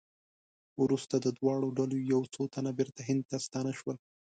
وروسته د دواړو ډلو یو څو تنه بېرته هند ته ستانه شول.